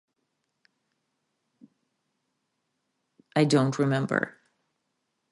I don't remember.